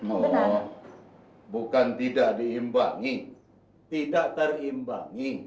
mohon bukan tidak diimbangi tidak terimbangi